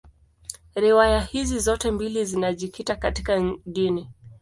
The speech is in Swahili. Riwaya hizi zote mbili zinajikita katika dini.